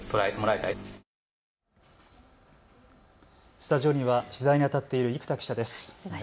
スタジオには取材にあたっている生田記者です。